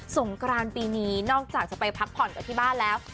งกรานปีนี้นอกจากจะไปพักผ่อนกับที่บ้านแล้ว